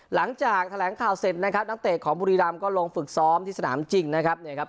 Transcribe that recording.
หลังจากแถลงข่าวเสร็จนะครับนักเตะของบุรีรำก็ลงฝึกซ้อมที่สนามจริงนะครับเนี่ยครับ